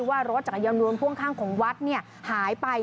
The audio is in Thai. ว่ารถจักรยานยนต์พ่วงข้างของวัดหายไป